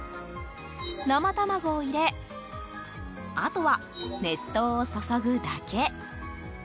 生卵を入れあとは熱湯を注ぐだけ。